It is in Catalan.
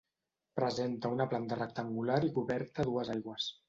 Presenta una planta rectangular i coberta a dues aigües.